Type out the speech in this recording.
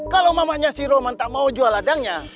kalau mamanya si roman tak mau jual ladangnya